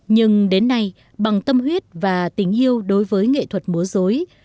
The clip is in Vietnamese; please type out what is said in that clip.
nhưng đến nay bằng tâm huyết và tình yêu đối với nghệ thuật múa dối